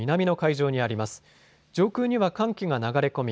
上空には寒気が流れ込み